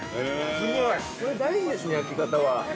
すごい！◆大事ですね、焼き方は。